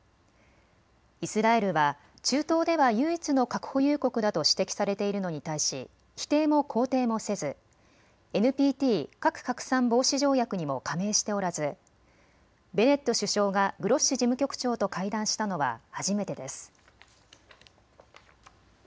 イスラエルは中東では唯一の核保有国だと指摘されているのに対し否定も肯定もせずＮＰＴ・核拡散防止条約にも加盟しておらずベネット首相がグロッシ事務局長と会談したのは初めてです。